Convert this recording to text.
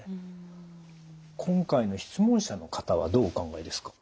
今回の質問者の方はどうお考えですか？